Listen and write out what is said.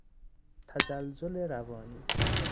تزلزل روانی